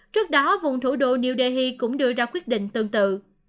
trước đó vùng thủ đô new delhi cũng đưa ra quyết định tương tự